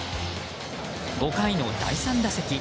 ５回の第３打席。